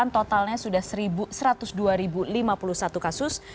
totalnya sudah satu ratus dua lima puluh satu kasus